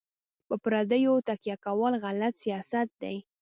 په پردیو تکیه کول غلط سیاست دی.